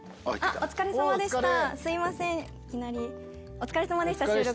お疲れさまでした収録。